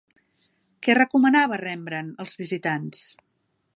Què recomanava Rembrandt als visitants?